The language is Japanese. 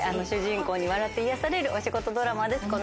主人公に笑って癒やされるお仕事ドラマです。